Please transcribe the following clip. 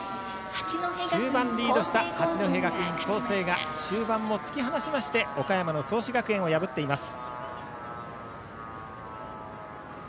中盤リードした八戸学院光星が終盤も突き放して岡山の創志学園を破っています。